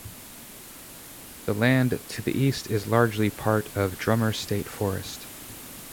The land to the east is largely part of Drummer State Forest.